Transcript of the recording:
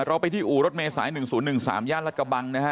เราไปที่อู่รถเม้สายหนึ่งศูนย์หนึ่งสามย่านรัฐกบังนะฮะ